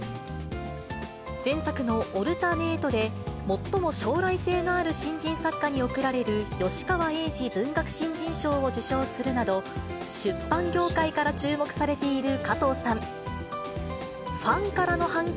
前作のオルタネートで、最も将来性のある新人作家に贈られる吉川英治文学新人賞を受賞するなど、出版業界から注目されている加藤さん。